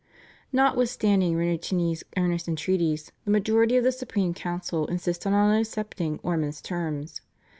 " Notwithstanding Rinuccini's earnest entreaties the majority of the Supreme Council insisted on accepting Ormond's terms.